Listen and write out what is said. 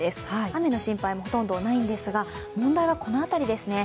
雨の心配もほとんどないんですが、問題はこの辺りですね。